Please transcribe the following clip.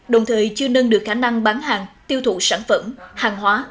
đồng thời chưa nâng được khả năng bán hàng tiêu thụ sản phẩm hàng hóa